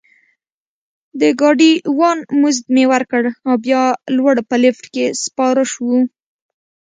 د ګاډي وان مزد مې ورکړ او بیا لوړ په لفټ کې سپاره شوو.